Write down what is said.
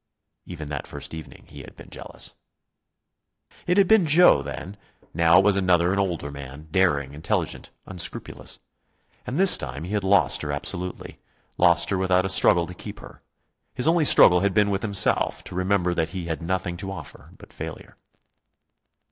Even that first evening he had been jealous. It had been Joe then. Now it was another and older man, daring, intelligent, unscrupulous. And this time he had lost her absolutely, lost her without a struggle to keep her. His only struggle had been with himself, to remember that he had nothing to offer but failure.